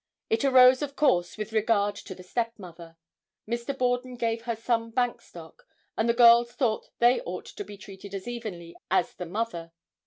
It arose, of course with regard to the stepmother. Mr. Borden gave her some bank stock, and the girls thought they ought to be treated as evenly as the mother.